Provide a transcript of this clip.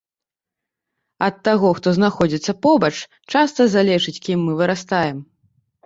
Ад таго, хто знаходзіцца побач, часта залежыць, кім мы вырастаем.